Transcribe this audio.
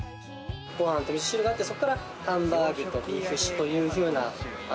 ご飯とみそ汁があって、そこからハンバーグとビーフシチューというような。